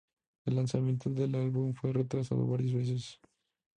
El lanzamiento del álbum fue retrasado varias veces.